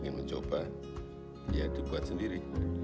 ingin mencoba ya dibuat sendiri